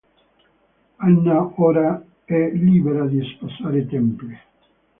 Anna ora è libera di sposare Temple.